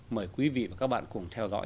mời quý vị và các bạn cùng theo dõi